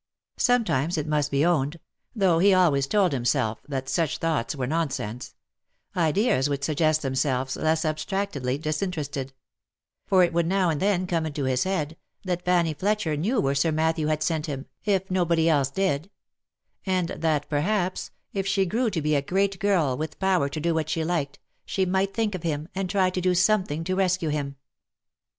Sometimes, it must be owned, — though he always told himself that such thoughts were nonsense, — ideas would suggest themselves less abstractedly disinterested ; for it would now and then come into his head, that Fanny Fletcher knew where Sir Matthew had sent him, if nobody else did ; and that, perhaps, if she grew to be a great girl, with power to do what she liked, she might think of him, and try to do something to rescue him.